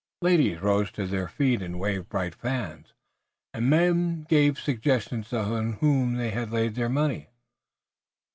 Ladies rose to their feet, and waved bright fans, and men gave suggestions to those on whom they had laid their money.